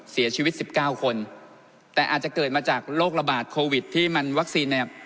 เสียชีวิตสิบเก้าคนแต่อาจจะเกิดมาจากโรคระบาดโควิดที่มันวัคซีนเนี่ย